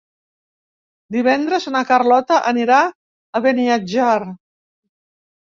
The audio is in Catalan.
Divendres na Carlota anirà a Beniatjar.